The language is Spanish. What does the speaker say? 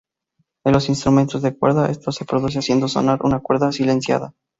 En los instrumentos de cuerda, esto se produce haciendo sonar una cuerda silenciada.